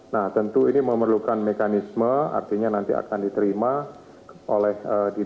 nah tentu ini memerlukan mekanisme artinya nanti akan diterima oleh dpr